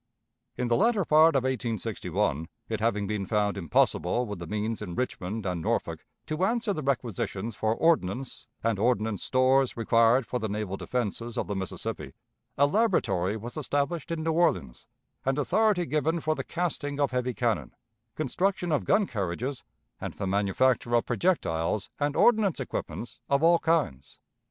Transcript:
In the latter part of 1861, it having been found impossible with the means in Richmond and Norfolk to answer the requisitions for ordnance and ordnance stores required for the naval defenses of the Mississippi, a laboratory was established in New Orleans, and authority given for the casting of heavy cannon, construction of gun carriages, and the manufacture of projectiles and ordnance equipments of all kinds.